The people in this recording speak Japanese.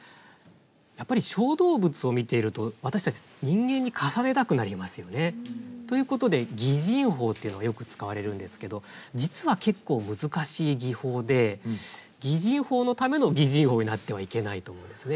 やっぱり小動物を見ていると私たち人間に重ねたくなりますよね。ということで擬人法っていうのがよく使われるんですけど実は結構難しい技法で擬人法のための擬人法になってはいけないと思うんですね。